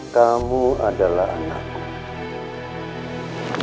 kamu tidak bisa menolak permintaanmu